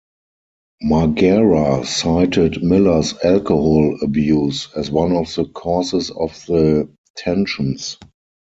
Margera cited Miller's alcohol abuse as one of the causes of the tensions.